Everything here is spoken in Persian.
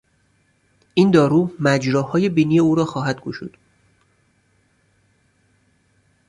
این دارو مجراهای بینی او را خواهد گشود.